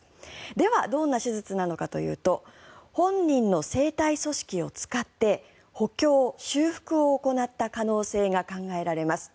では、どんな手術なのかというと本人の生体組織を使って補強・修復を行った可能性が考えられます。